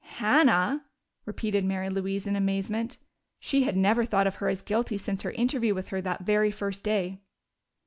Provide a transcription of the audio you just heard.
"Hannah!" repeated Mary Louise in amazement. She had never thought of her as guilty since her interview with her that very first day.